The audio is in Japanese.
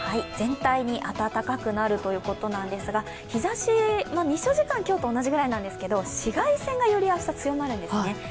全体に暖かくなるということなんですが、日ざし、日照時間は今日と同じくらいなんですけど紫外線がより明日強まるんですね。